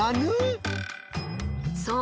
そう！